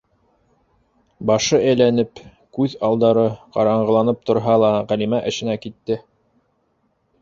Башы әйләнеп, күҙ алдары ҡараңғыланып торһа ла Ғәлимә эшенә китте.